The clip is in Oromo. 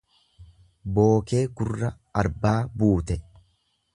Bookee gurra arbaa buute.